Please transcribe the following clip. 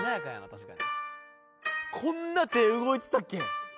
確かにこんな手動いてたっけ？